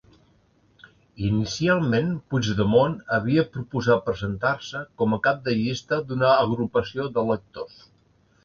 Inicialment Puigdemont havia proposat presentar-se com a cap de llista d'una agrupació d'electors.